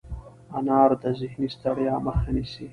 انار د ذهني ستړیا مخه نیسي.